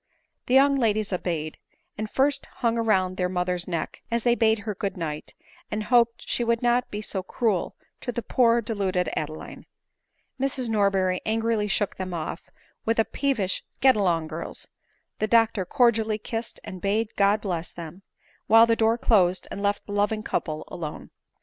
The young ladies obeyed ; but first hung round their mother's neck, as they bade her good night, and hoped 'she would not be so cruel to the poor deluded Adeline. Mrs Norberry angrily shook them off, with a peevish —" Get along, girls." The doctor cordially kissed, and bade God bless them ; while the door closed and left the loving couple alone.